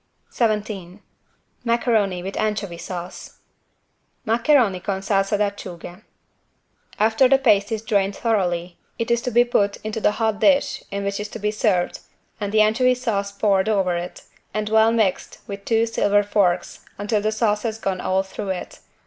17 MACARONI WITH ANCHOVY SAUCE (Maccheroni con salsa d'acciughe) After the paste is drained thoroughly it is to be put into the hot dish in which it is to be served and the anchovy sauce poured over it and well mixed with two silver forks until the sauce has gone all through it.